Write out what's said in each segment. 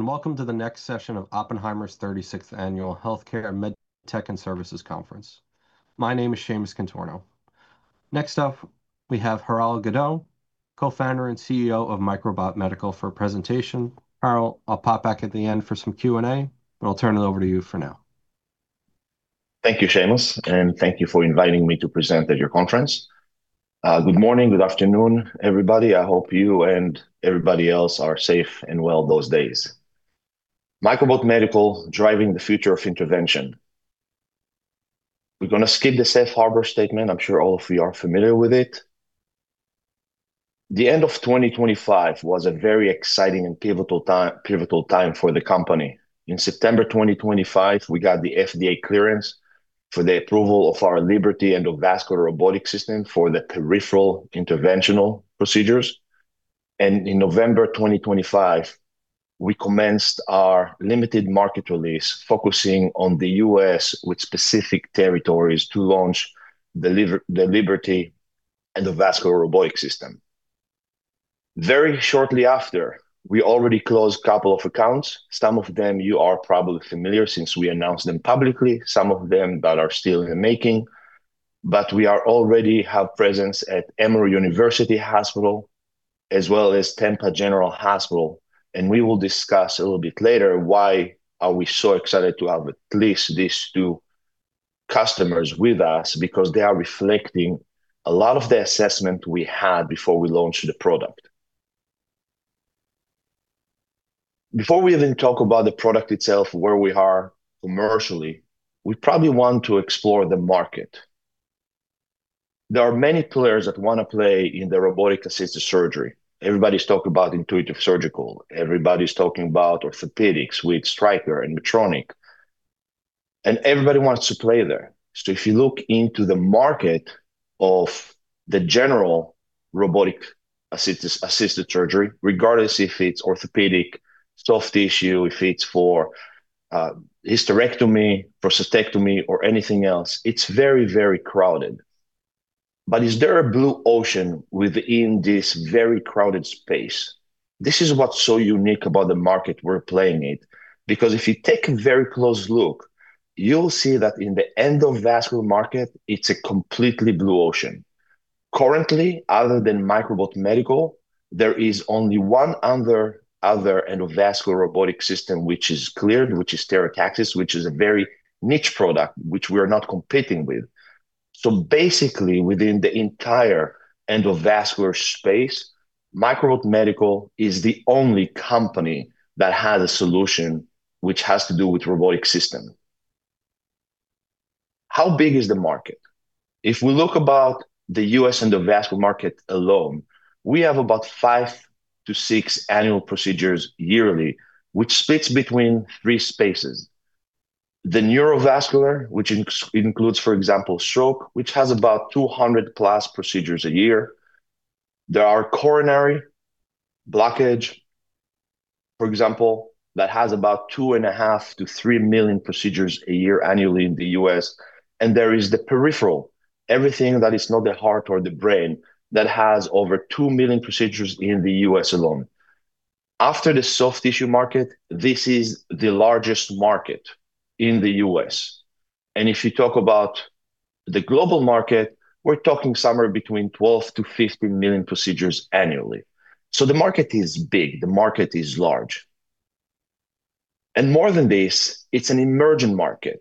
Hello, welcome to the next session of Oppenheimer's 36th Annual Healthcare, MedTech and Services Conference. My name is Seamus Contorno. Next up, we have Harel Gadot, Co-founder and CEO of Microbot Medical for a presentation. Harel, I'll pop back at the end for some Q&A, I'll turn it over to you for now. Thank you, Seamus, thank you for inviting me to present at your conference. Good morning, good afternoon, everybody. I hope you and everybody else are safe and well those days. Microbot Medical, driving the future of intervention. We're going to skip the safe harbor statement. I'm sure all of we are familiar with it. The end of 2025 was a very exciting and pivotal time for the company. In September 2025, we got the FDA clearance for the approval of our LIBERTY Endovascular Robotic System for the peripheral interventional procedures. In November 2025, we commenced our limited market release, focusing on the U.S. with specific territories to launch the LIBERTY Endovascular Robotic System. Very shortly after, we already closed couple of accounts. Some of them you are probably familiar since we announced them publicly, some of them that are still in the making, we are already have presence at Emory University Hospital, as well as Tampa General Hospital. We will discuss a little bit later why are we so excited to have at least these two customers with us because they are reflecting a lot of the assessment we had before we launched the product. Before we even talk about the product itself, where we are commercially, we probably want to explore the market. There are many players that want to play in the robotic-assisted surgery. Everybody's talking about Intuitive Surgical. Everybody's talking about orthopedics with Stryker and Medtronic. Everybody wants to play there. If you look into the market of the general robotic-assisted surgery, regardless if it's orthopedic, soft tissue, if it's for hysterectomy, prostatectomy, or anything else, it's very crowded. Is there a blue ocean within this very crowded space? This is what's so unique about the market we're playing in, because if you take a very close look, you'll see that in the endovascular market, it's a completely blue ocean. Currently, other than Microbot Medical, there is only one other endovascular robotic system which is cleared, which is Stereotaxis, which is a very niche product, which we are not competing with. Basically, within the entire endovascular space, Microbot Medical is the only company that has a solution which has to do with robotic system. How big is the market? If we look about the U.S. endovascular market alone, we have about five to six annual procedures yearly, which splits between three spaces. The neurovascular, which includes, for example, stroke, which has about 200+ procedures a year. There are coronary blockage, for example, that has about 2.5 million to 3 million procedures a year annually in the U.S. There is the peripheral, everything that is not the heart or the brain, that has over 2 million procedures in the U.S. alone. After the soft tissue market, this is the largest market in the U.S. If you talk about the global market, we're talking somewhere between 12 million to 15 million procedures annually. The market is big. The market is large. More than this, it's an emerging market.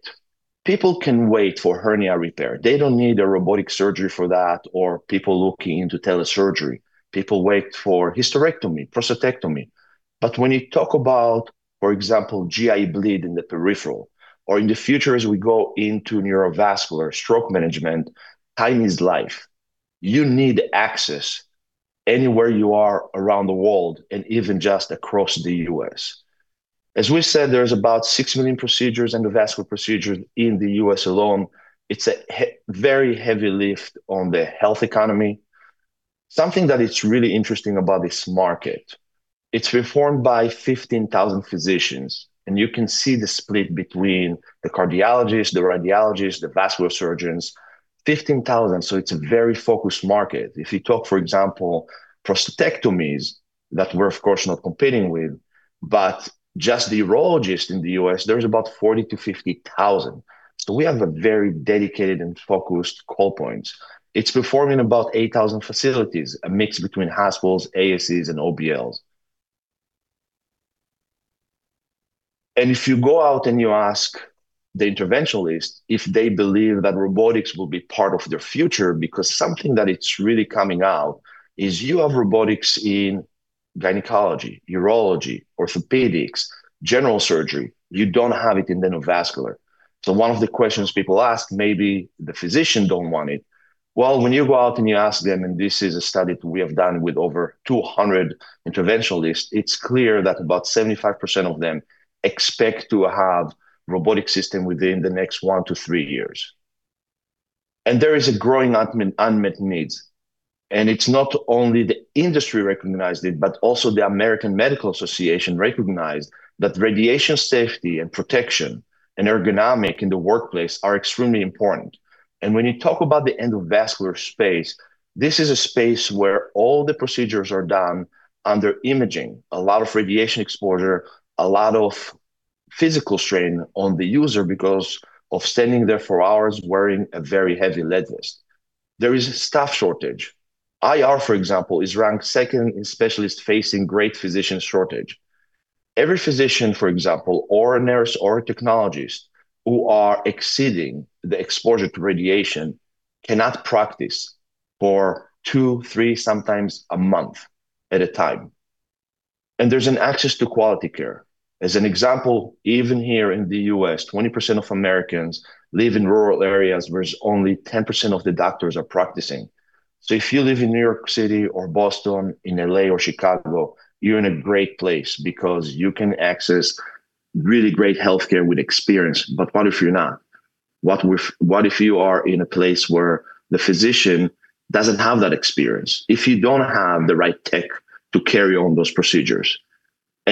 People can wait for hernia repair. They don't need a robotic surgery for that, or people looking into telesurgery. People wait for hysterectomy, prostatectomy. When you talk about, for example, GI bleed in the peripheral, or in the future as we go into neurovascular stroke management, time is life. You need access anywhere you are around the world and even just across the U.S. As we said, there's about 6 million procedures, endovascular procedures in the U.S. alone. It's a very heavy lift on the health economy. Something that is really interesting about this market, it's performed by 15,000 physicians. You can see the split between the cardiologists, the radiologists, the vascular surgeons, 15,000, so it's a very focused market. If you talk, for example, prostatectomies, that we're of course not competing with, but just the urologist in the U.S., there is about 40,000 to 50,000. We have a very dedicated and focused call points. It's performed in about 8,000 facilities, a mix between hospitals, ASCs, and OBLs. If you go out and you ask the interventionalists if they believe that robotics will be part of their future, because something that it's really coming out is you have robotics in gynecology, urology, orthopedics, general surgery. You don't have it in endovascular. One of the questions people ask, maybe the physician don't want it. When you go out and you ask them, this is a study we have done with over 200 interventionalists, it's clear that about 75% of them expect to have robotic system within the next one to three years. There is a growing unmet needs, and it's not only the industry recognized it, but also the American Medical Association recognized that radiation safety and protection and ergonomic in the workplace are extremely important. When you talk about the endovascular space, this is a space where all the procedures are done under imaging. A lot of radiation exposure, a lot of physical strain on the user because of standing there for hours wearing a very heavy lead vest. There is a staff shortage. IR, for example, is ranked second in specialists facing great physician shortage. Every physician, for example, or a nurse, or a technologist who are exceeding the exposure to radiation cannot practice for two, three, sometimes a month at a time. There's an access to quality care. As an example, even here in the U.S., 20% of Americans live in rural areas, whereas only 10% of the doctors are practicing. If you live in New York City or Boston, in L.A. or Chicago, you're in a great place because you can access really great healthcare with experience. What if you're not? What if you are in a place where the physician doesn't have that experience, if you don't have the right tech to carry on those procedures?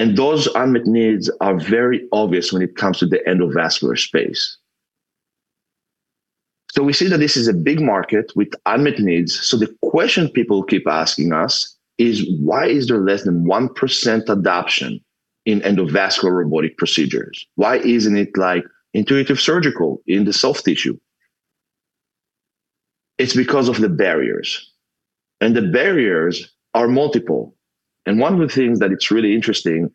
Those unmet needs are very obvious when it comes to the endovascular space. We see that this is a big market with unmet needs. The question people keep asking us is, why is there less than 1% adoption in endovascular robotic procedures? Why isn't it like Intuitive Surgical in the soft tissue? It's because of the barriers, and the barriers are multiple. One of the things that it's really interesting,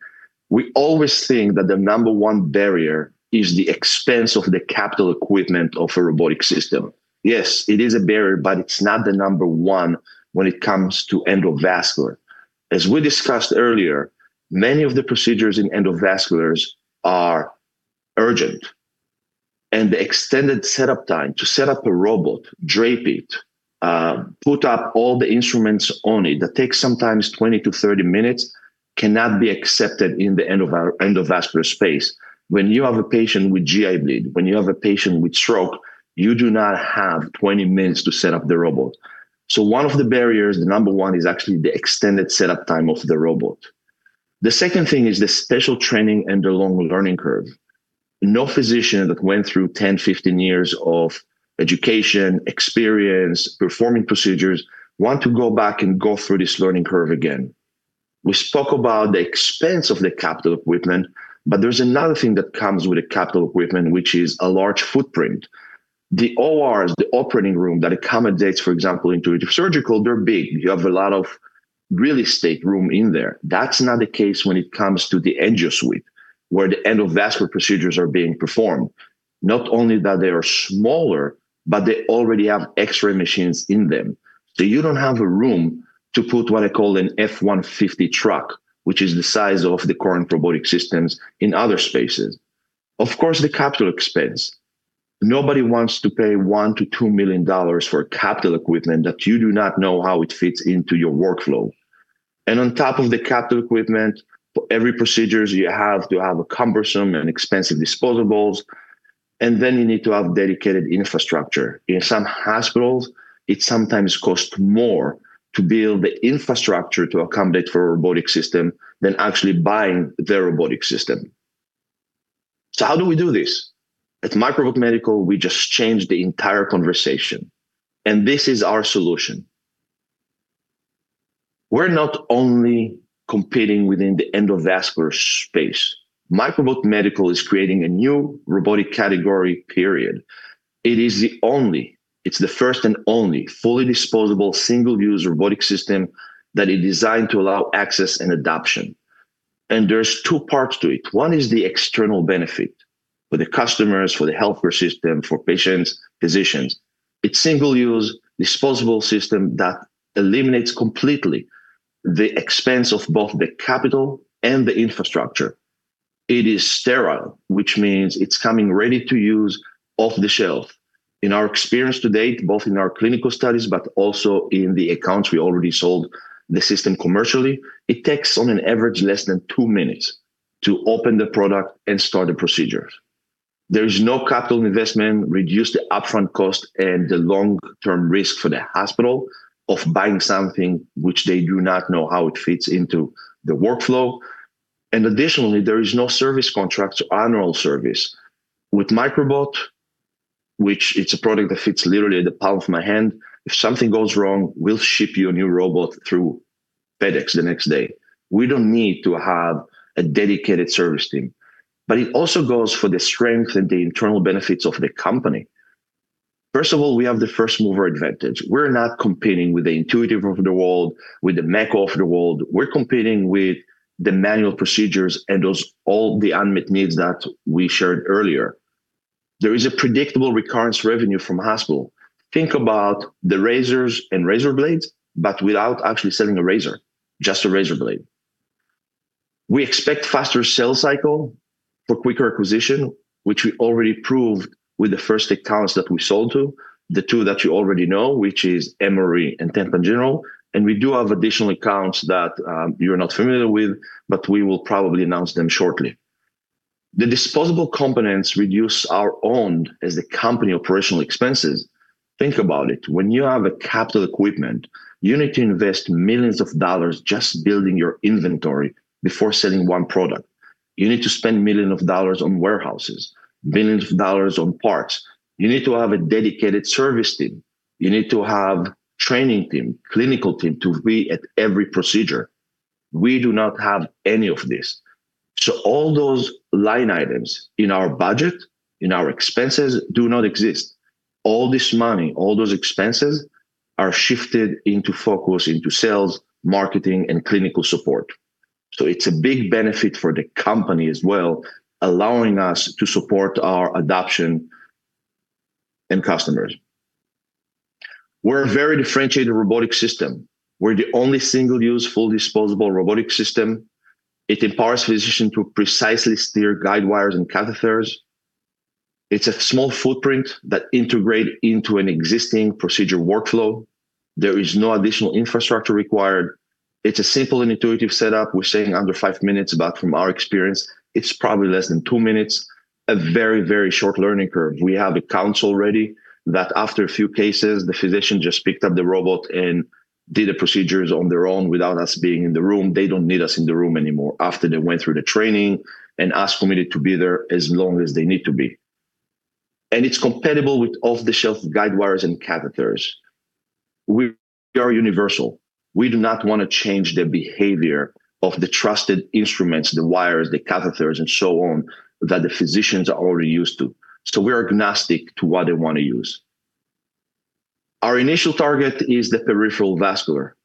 we always think that the number one barrier is the expense of the capital equipment of a robotic system. Yes, it is a barrier, but it's not the number one when it comes to endovascular. As we discussed earlier, many of the procedures in endovasculars are urgent, and the extended set-up time to set up a robot, drape it, put up all the instruments on it, that takes sometimes 20-30 minutes, cannot be accepted in the endovascular space. When you have a patient with GI bleed, when you have a patient with stroke, you do not have 20 minutes to set up the robot. One of the barriers, the number one, is actually the extended set-up time of the robot. The second thing is the special training and the long learning curve. No physician that went through 10, 15 years of education, experience, performing procedures want to go back and go through this learning curve again. We spoke about the expense of the capital equipment, but there's another thing that comes with the capital equipment, which is a large footprint. The ORs, the operating room that accommodates, for example, Intuitive Surgical, they're big. You have a lot of real estate room in there. That's not the case when it comes to the angio suite, where the endovascular procedures are being performed. Not only that they are smaller, but they already have X-ray machines in them. You don't have a room to put what I call an F-150 truck, which is the size of the current robotic systems in other spaces. Of course, the capital expense. Nobody wants to pay $1 million-$2 million for capital equipment that you do not know how it fits into your workflow. On top of the capital equipment, for every procedures, you have to have a cumbersome and expensive disposables, and then you need to have dedicated infrastructure. In some hospitals, it sometimes costs more to build the infrastructure to accommodate for a robotic system than actually buying the robotic system. How do we do this? At Microbot Medical, we just changed the entire conversation, and this is our solution. We're not only competing within the endovascular space. Microbot Medical is creating a new robotic category, period. It is the only, it's the first and only fully disposable, single-use robotic system that is designed to allow access and adoption. There's two parts to it. One is the external benefit for the customers, for the healthcare system, for patients, physicians. It's single-use, disposable system that eliminates completely the expense of both the capital and the infrastructure. It is sterile, which means it's coming ready to use off the shelf. In our experience to date, both in our clinical studies, but also in the accounts we already sold the system commercially, it takes on an average less than two minutes to open the product and start the procedures. There is no capital investment, reduce the upfront cost, and the long-term risk for the hospital of buying something which they do not know how it fits into the workflow. Additionally, there is no service contract to annual service. With Microbot, which it's a product that fits literally in the palm of my hand, if something goes wrong, we'll ship you a new robot through FedEx the next day. We don't need to have a dedicated service team. It also goes for the strength and the internal benefits of the company. First of all, we have the first-mover advantage. We're not competing with the Intuitive of the world, with the Mako of the world. We're competing with the manual procedures and those all the unmet needs that we shared earlier. There is a predictable recurrence revenue from hospital. Think about the razors and razor blades, but without actually selling a razor, just a razor blade. We expect faster sales cycle for quicker acquisition, which we already proved with the first accounts that we sold to, the two that you already know, which is Emory and Tampa General, we do have additional accounts that you're not familiar with, but we will probably announce them shortly. The disposable components reduce our own, as the company operational expenses. Think about it. When you have a capital equipment, you need to invest millions of dollars just building your inventory before selling one product. You need to spend millions of dollars on warehouses, millions of dollars on parts. You need to have a dedicated service team. You need to have training team, clinical team to be at every procedure. We do not have any of this. All those line items in our budget, in our expenses do not exist. All this money, all those expenses are shifted into focus, into sales, marketing, and clinical support. It's a big benefit for the company as well, allowing us to support our adoption and customers. We're a very differentiated robotic system. We're the only single-use, full disposable robotic system. It empowers physician to precisely steer guide wires and catheters. It's a small footprint that integrate into an existing procedure workflow. There is no additional infrastructure required. It's a simple and intuitive setup. We're saying under five minutes, but from our experience, it's probably less than two minutes. A very short learning curve. We have a council ready that after a few cases, the physician just picked up the robot and did the procedures on their own without us being in the room. They don't need us in the room anymore after they went through the training and asked for me to be there as long as they need to be. It's compatible with off-the-shelf guide wires and catheters. We are universal. We do not want to change the behavior of the trusted instruments, the wires, the catheters and so on that the physicians are already used to. We are agnostic to what they want to use. Our initial target is the peripheral vascular,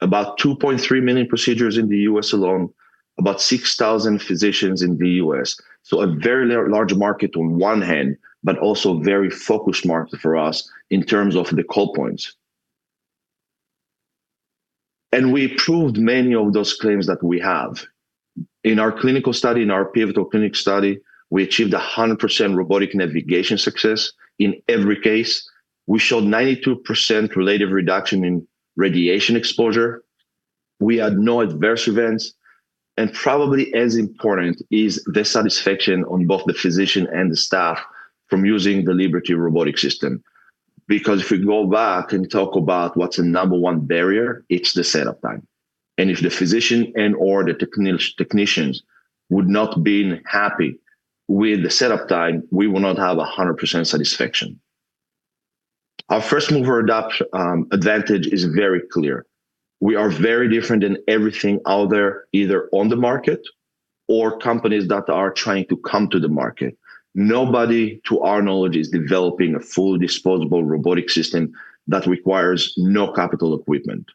about 2.3 million procedures in the U.S. alone, about 6,000 physicians in the U.S. A very large market on one hand, but also very focused market for us in terms of the call points. We proved many of those claims that we have. In our clinical study, in our pivotal clinical study, we achieved 100% robotic navigation success in every case. We showed 92% relative reduction in radiation exposure. We had no adverse events, and probably as important is the satisfaction on both the physician and the staff from using the LIBERTY Robotic System. Because if we go back and talk about what's the number one barrier, it's the setup time. If the physician and/or the technicians would not been happy with the setup time, we will not have 100% satisfaction. Our first-mover advantage is very clear. We are very different in everything out there, either on the market or companies that are trying to come to the market. Nobody, to our knowledge, is developing a fully disposable robotic system that requires no capital equipment.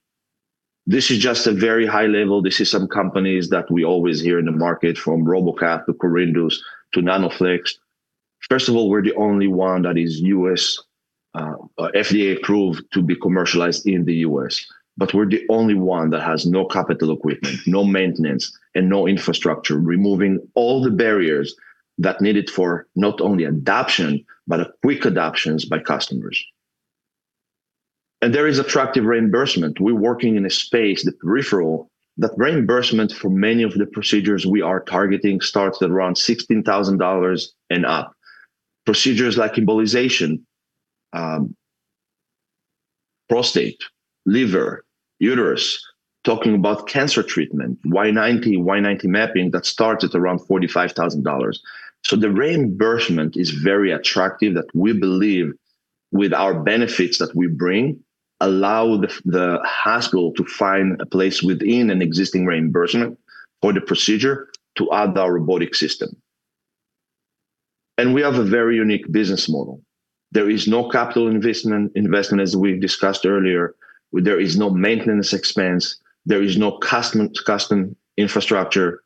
This is just a very high level. This is some companies that we always hear in the market, from Robocath to Corindus to Nanoflex Robotics. First of all, we're the only one that is FDA approved to be commercialized in the U.S., we're the only one that has no capital equipment, no maintenance, and no infrastructure, removing all the barriers that needed for not only adoption, but a quick adoptions by customers. There is attractive reimbursement. We're working in a space, the peripheral, that reimbursement for many of the procedures we are targeting starts at around $16,000 and up. Procedures like embolization, prostate, liver, uterus, talking about cancer treatment, Y90 mapping, that starts at around $45,000. The reimbursement is very attractive that we believe with our benefits that we bring, allow the hospital to find a place within an existing reimbursement for the procedure to add our robotic system. We have a very unique business model. There is no capital investment, as we've discussed earlier. There is no maintenance expense. There is no custom infrastructure.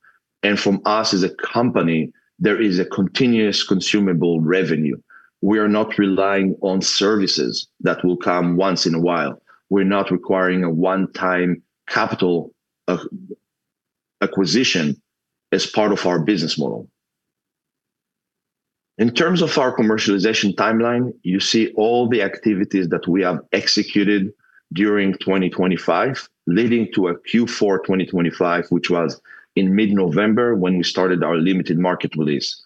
From us as a company, there is a continuous consumable revenue. We are not relying on services that will come once in a while. We're not requiring a one-time capital acquisition as part of our business model. In terms of our commercialization timeline, you see all the activities that we have executed during 2025, leading to a Q4 2025, which was in mid-November when we started our limited market release.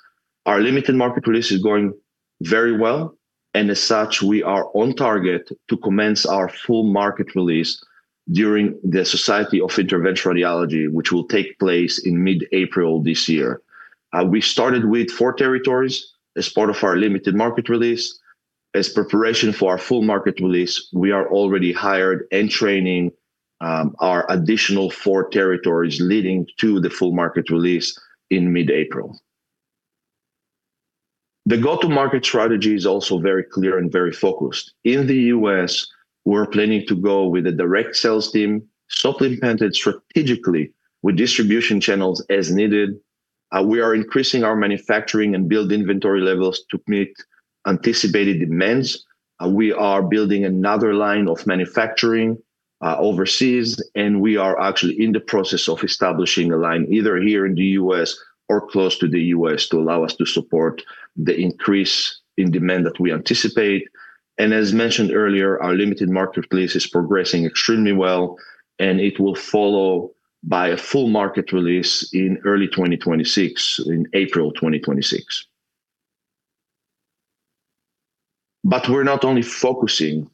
Our limited market release is going very well, and as such, we are on target to commence our full market release during the Society of Interventional Radiology, which will take place in mid-April this year. We started with four territories as part of our limited market release. As preparation for our full market release, we are already hired and training our additional four territories, leading to the full market release in mid-April. The go-to market strategy is also very clear and very focused. In the U.S., we're planning to go with a direct sales team, supplemented strategically with distribution channels as needed. We are increasing our manufacturing and build inventory levels to meet anticipated demands. We are building another line of manufacturing overseas, and we are actually in the process of establishing a line either here in the U.S. or close to the U.S. to allow us to support the increase in demand that we anticipate. As mentioned earlier, our limited market release is progressing extremely well, and it will follow by a full market release in early 2026, in April 2026. We're not only focusing.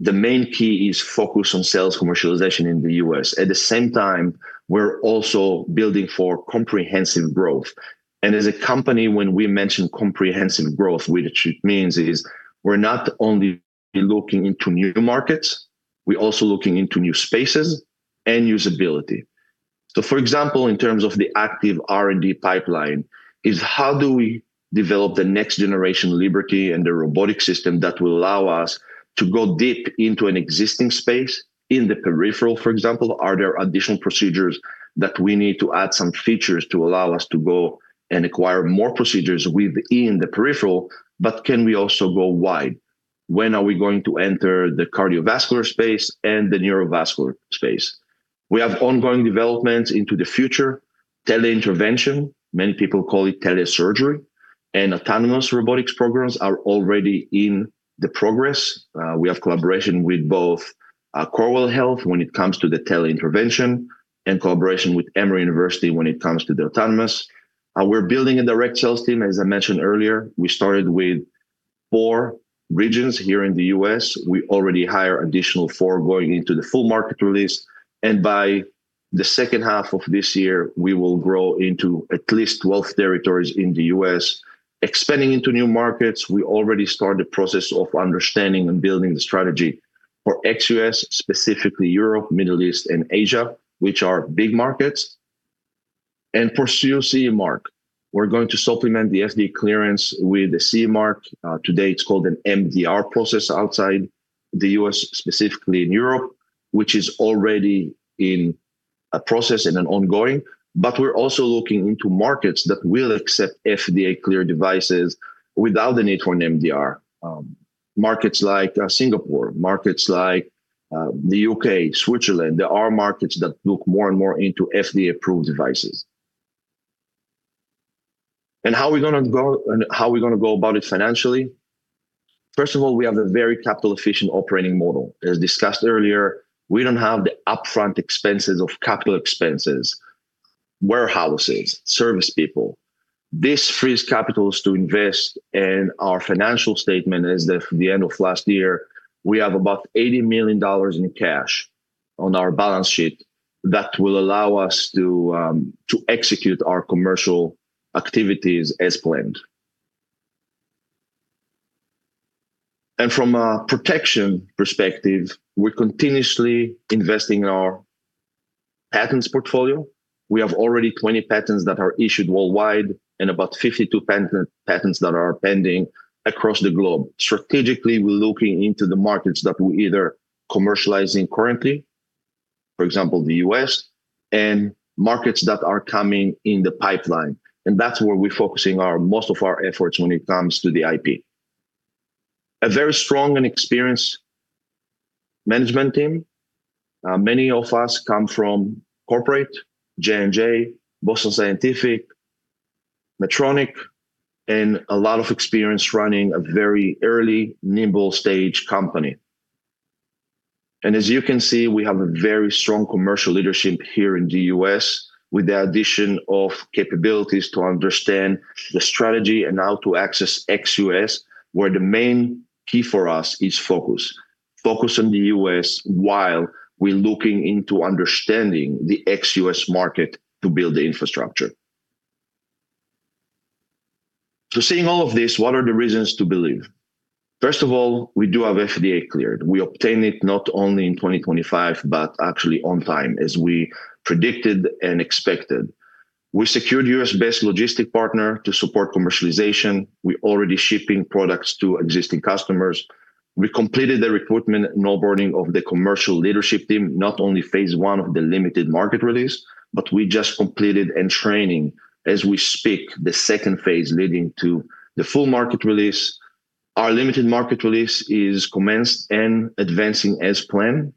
The main key is focus on sales commercialization in the U.S. At the same time, we're also building for comprehensive growth. As a company, when we mention comprehensive growth, what it means is we're not only looking into new markets, we're also looking into new spaces and usability. For example, in terms of the active R&D pipeline is how do we develop the next generation LIBERTY and the robotic system that will allow us to go deep into an existing space? In the peripheral, for example, are there additional procedures that we need to add some features to allow us to go and acquire more procedures within the peripheral, can we also go wide? When are we going to enter the cardiovascular space and the neurovascular space? We have ongoing developments into the future. Tele-intervention, many people call it tele-surgery, and autonomous robotics programs are already in the progress. We have collaboration with both, Corewell Health when it comes to the tele-intervention, and collaboration with Emory University when it comes to the autonomous. We're building a direct sales team, as I mentioned earlier. We started with four regions here in the U.S. We already hire additional four going into the full market release, and by the second half of this year, we will grow into at least 12 territories in the U.S. Expanding into new markets, we already start the process of understanding and building the strategy for ex-U.S., specifically Europe, Middle East, and Asia, which are big markets. Pursue CE Mark. We're going to supplement the FDA clearance with a CE Mark. Today, it's called an MDR process outside the U.S., specifically in Europe, which is already in a process and an ongoing. We're also looking into markets that will accept FDA cleared devices without the need for an MDR. Markets like Singapore, markets like the U.K., Switzerland. There are markets that look more and more into FDA-approved devices. How are we going to go about it financially? First of all, we have a very capital-efficient operating model. As discussed earlier, we don't have the upfront expenses of capital expenses, warehouses, service people. This frees capitals to invest, and our financial statement as of the end of last year, we have about $80 million in cash on our balance sheet that will allow us to execute our commercial activities as planned. From a protection perspective, we're continuously investing in our patents portfolio. We have already 20 patents that are issued worldwide, and about 52 patents that are pending across the globe. Strategically, we're looking into the markets that we're either commercializing currently, for example, the U.S., and markets that are coming in the pipeline. That's where we're focusing most of our efforts when it comes to the IP. A very strong and experienced management team. Many of us come from corporate, J&J, Boston Scientific, Medtronic, and a lot of experience running a very early, nimble-stage company. As you can see, we have a very strong commercial leadership here in the U.S. with the addition of capabilities to understand the strategy and how to access ex-U.S., where the main key for us is focus. Focus on the U.S. while we're looking into understanding the ex-U.S. market to build the infrastructure. Seeing all of this, what are the reasons to believe? First of all, we do have FDA cleared. We obtain it not only in 2025, but actually on time, as we predicted and expected. We secured U.S.-based logistic partner to support commercialization. We're already shipping products to existing customers. We completed the recruitment and onboarding of the commercial leadership team, not only phase one of the limited market release, but we just completed and training, as we speak, the second phase leading to the full market release. Our limited market release is commenced and advancing as planned.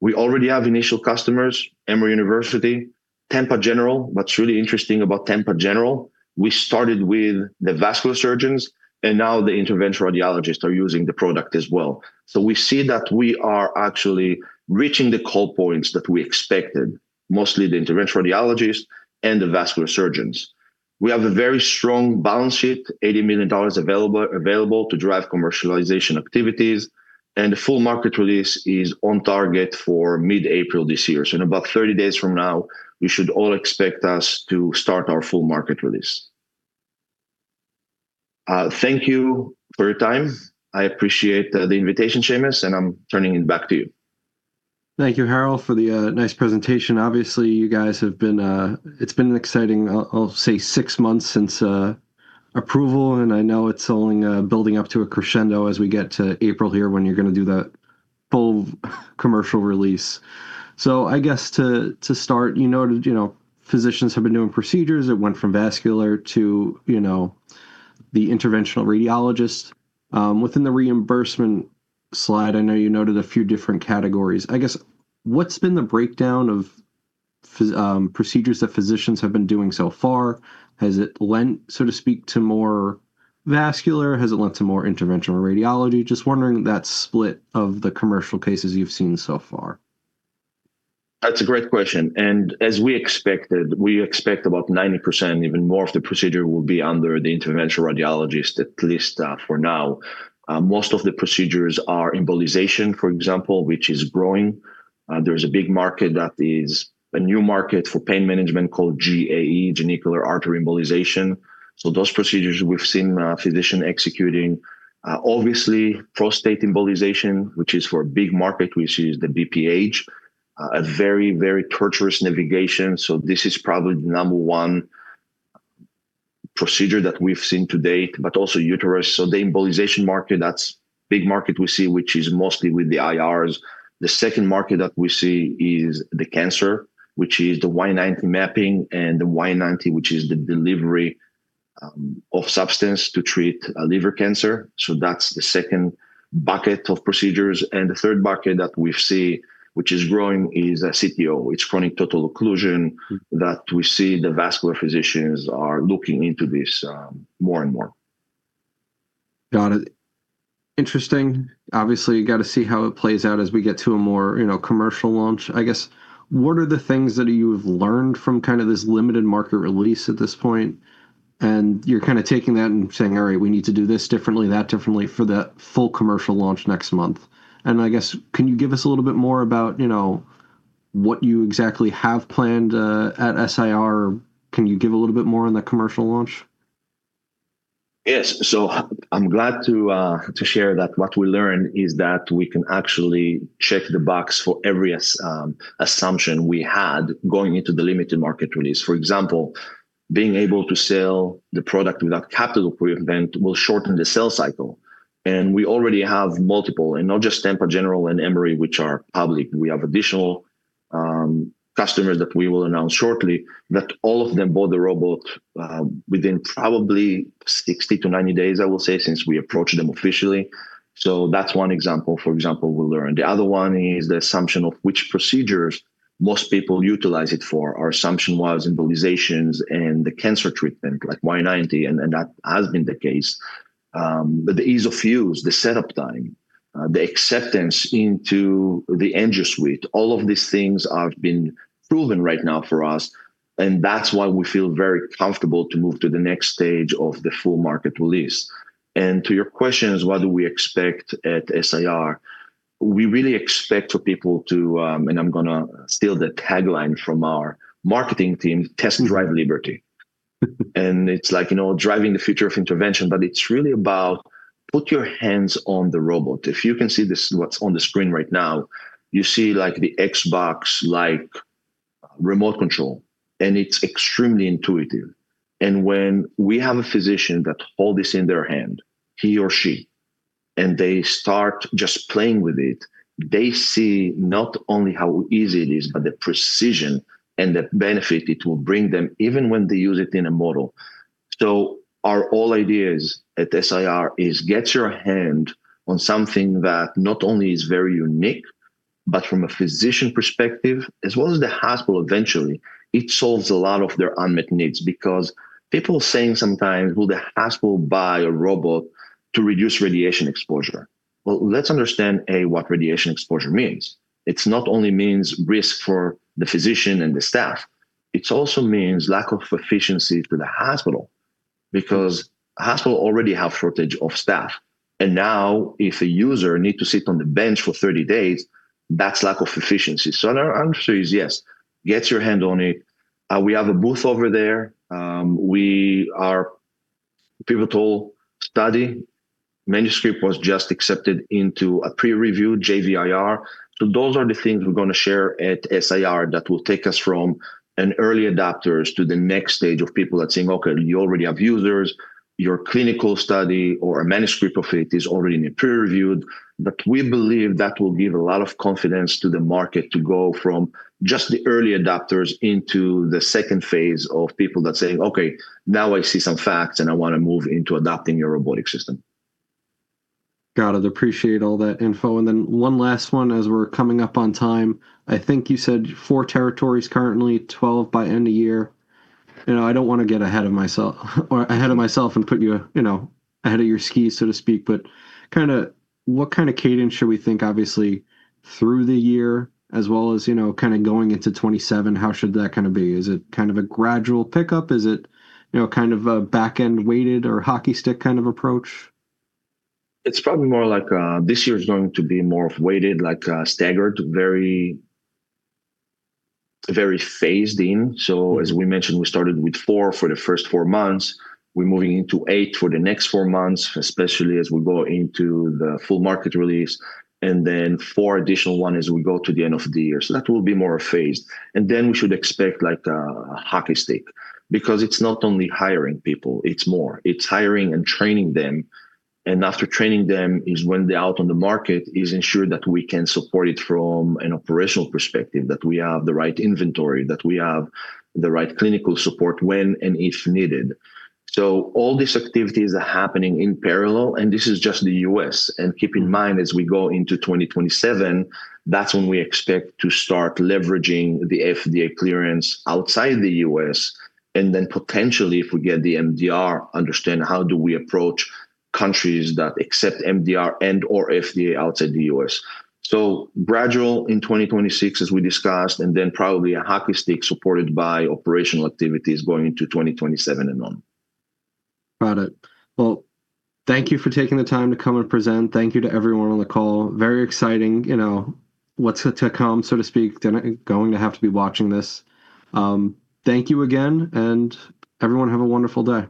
We already have initial customers, Emory University, Tampa General. What's really interesting about Tampa General, we started with the vascular surgeons, and now the interventional radiologists are using the product as well. We see that we are actually reaching the call points that we expected, mostly the interventional radiologists and the vascular surgeons. We have a very strong balance sheet, $80 million available to drive commercialization activities, and the full market release is on target for mid-April this year. In about 30 days from now, you should all expect us to start our full market release. Thank you for your time. I appreciate the invitation, Seamus, and I'm turning it back to you. Thank you, Harel, for the nice presentation. Obviously, you guys, it's been an exciting, I'll say, 6 months since approval, and I know it's only building up to a crescendo as we get to April here when you're going to do that full commercial release. I guess to start, physicians have been doing procedures. It went from vascular to the interventional radiologist. Within the reimbursement slide, I know you noted a few different categories. I guess, what's been the breakdown of procedures that physicians have been doing so far? Has it lent, so to speak, to more vascular? Has it lent to more interventional radiology? Just wondering that split of the commercial cases you've seen so far. That's a great question. As we expected, we expect about 90%, even more of the procedure will be under the interventional radiologist, at least for now. Most of the procedures are embolization, for example, which is growing. There's a big market that is a new market for pain management called GAE, genicular artery embolization. Those procedures we've seen a physician executing. Obviously, prostate embolization, which is for a big market, which is the BPH, a very, very torturous navigation, this is probably the number one procedure that we've seen to date, but also uterus. The embolization market, that's big market we see, which is mostly with the IRs. The second market that we see is the cancer, which is the Y90 mapping, and the Y90, which is the delivery of substance to treat liver cancer. That's the second bucket of procedures. The third bucket that we've seen, which is growing, is CTO. It's Chronic Total Occlusion that we see the vascular physicians are looking into this more and more. Got it. Interesting. Obviously, you got to see how it plays out as we get to a more commercial launch. I guess, what are the things that you've learned from this limited market release at this point? You're taking that and saying, "All right, we need to do this differently, that differently," for the full commercial launch next month. I guess, can you give us a little bit more about what you exactly have planned at SIR? Can you give a little bit more on the commercial launch? Yes. I'm glad to share that what we learned is that we can actually check the box for every assumption we had going into the limited market release. For example, being able to sell the product without capital prevent will shorten the sales cycle. We already have multiple, not just Tampa General and Emory, which are public. We have additional customers that we will announce shortly, that all of them bought the robot within probably 60 to 90 days, I will say, since we approached them officially. That's one example, for example, we learned. The other one is the assumption of which procedures most people utilize it for. Our assumption was embolizations and the cancer treatment, like Y90, that has been the case. The ease of use, the setup time, the acceptance into the Angio Suite, all of these things have been proven right now for us, and that's why we feel very comfortable to move to the next stage of the full market release. To your questions, what do we expect at SIR? We really expect for people to, and I'm going to steal the tagline from our marketing team, test drive LIBERTY. It's like driving the future of intervention. It's really about put your hands on the robot. If you can see this, what's on the screen right now, you see the Xbox-like remote control, and it's extremely intuitive. When we have a physician that hold this in their hand, he or she, and they start just playing with it, they see not only how easy it is, but the precision and the benefit it will bring them, even when they use it in a model. So our whole idea is at SIR is get your hand on something that not only is very unique, but from a physician perspective, as well as the hospital eventually, it solves a lot of their unmet needs. Because people saying sometimes, "Will the hospital buy a robot to reduce radiation exposure?" Well, let's understand, A, what radiation exposure means. It's not only means risk for the physician and the staff, it also means lack of efficiency to the hospital, because hospital already have shortage of staff. Now if a user need to sit on the bench for 30 days, that's lack of efficiency. So our answer is yes. Get your hand on it. We have a booth over there. We are pivotal study. Manuscript was just accepted into a peer-reviewed JVIR. So those are the things we're going to share at SIR that will take us from an early adopters to the next stage of people that saying, "You already have users. Your clinical study or a manuscript of it is already in a peer-reviewed." We believe that will give a lot of confidence to the market to go from just the early adopters into the second phase of people that saying, "Now I see some facts and I want to move into adopting your robotic system. Got it. Appreciate all that info. One last one as we're coming up on time. I think you said four territories currently, 12 by end of year. I don't want to get ahead of myself and put you ahead of your skis so to speak. What kind of cadence should we think, obviously, through the year as well as going into 2027? How should that be? Is it a gradual pickup? Is it a backend weighted or hockey stick kind of approach? It's probably more like this year is going to be more of weighted, like staggered, very phased in. As we mentioned, we started with four for the first four months. We're moving into eight for the next four months, especially as we go into the full market release, then four additional ones as we go to the end of the year. That will be more phased. We should expect like a hockey stick because it's not only hiring people, it's more. It's hiring and training them, and after training them is when they're out on the market is ensured that we can support it from an operational perspective, that we have the right inventory, that we have the right clinical support when and if needed. All these activities are happening in parallel, and this is just the U.S. Keep in mind, as we go into 2027, that's when we expect to start leveraging the FDA clearance outside the U.S., then potentially, if we get the MDR, understand how do we approach countries that accept MDR and/or FDA outside the U.S. Gradual in 2026, as we discussed, probably a hockey stick supported by operational activities going into 2027 and on. Got it. Well, thank you for taking the time to come and present. Thank you to everyone on the call. Very exciting what's to come, so to speak. They're going to have to be watching this. Thank you again, and everyone have a wonderful day.